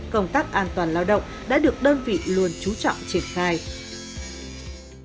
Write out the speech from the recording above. công tác an toàn lao động đã được đơn vị luôn trú trọng triển khai